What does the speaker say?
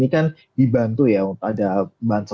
nah kalau beras kemarin kan kita lihat kan masyarakat miskin gitu